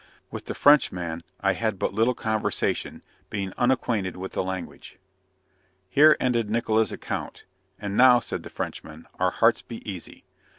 With the Frenchman I had but little conversation, being unacquainted with the language. Here ended Nickola's account. "And now" said the Frenchman, "our hearts be easy."